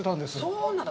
そうなんだ。